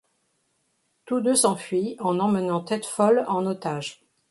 Tous deux s'enfuient, en emmenant Tête-Folle en otage.